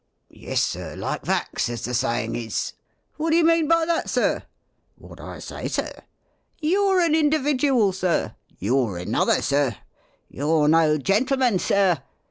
"Yes, Sir, like vax, as the saying is." « Wot d'ye mean by that. Sir ?" "Wot I say, Sir!" "You 're a individual. Sir !" "You 're another, Sir!" " You 're no gentleman. Sir